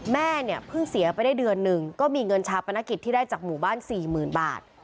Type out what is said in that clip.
แม่เนี่ยเพิ่งเสียไปได้เดือนหนึ่งก็มีเงินชาปนกิจที่ได้จากหมู่บ้าน๔๐๐๐บาท